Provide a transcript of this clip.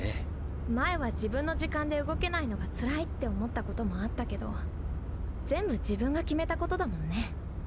前は自分の時間で動けないのがつらいって思ったこともあったけど全部自分が決めたことだもんね。